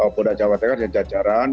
polda jawa tengah dan jajaran